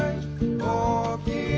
おおきい？